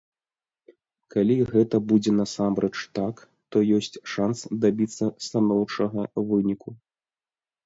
Калі гэта будзе насамрэч так, то ёсць шанс дабіцца станоўчага выніку.